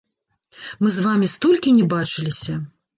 Мы з вамі столькі не бачыліся!